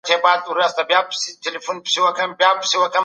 د مشر پريکړي څنګه پلي کیږي؟